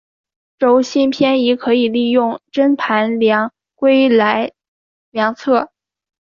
轴心偏移可以利用针盘量规来量测。